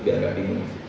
biar enggak bingung